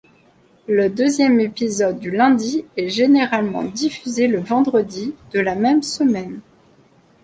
Le deuxième épisode du lundi est généralement diffusé le vendredi de la même semaine.